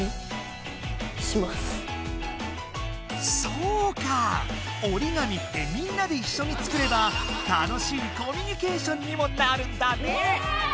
そうか折り紙ってみんなでいっしょにつくれば楽しいコミュニケーションにもなるんだね！